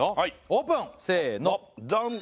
オープンせのドン！